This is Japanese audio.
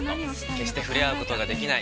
決して触れ合うことができない